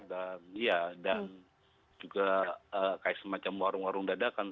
lahan pacir dan ya dan juga kayak semacam warung warung dadakan